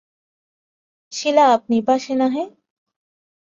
শিলা আপনি ভাসে না হে!